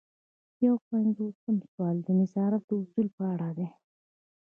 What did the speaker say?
یو پنځوسم سوال د نظارت د اصولو په اړه دی.